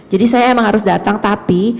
jadi saya memang harus datang tapi